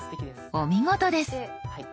お見事です。